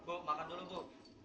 bu makan dulu bu